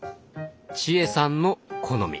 千恵さんの「好み」。